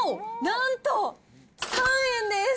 なんと３円です。